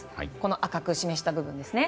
赤く示した部分ですね。